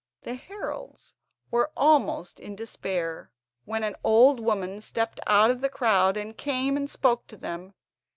The heralds were almost in despair, when an old woman stepped out of the crowd and came and spoke to them.